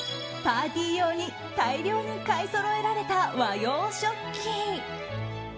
パーティー用に大量に買いそろえられた和洋食器。